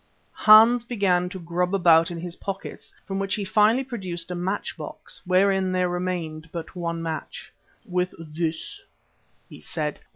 Hans began to grub about in his pockets, from which finally he produced a match box wherein there remained but one match. "With this," he said.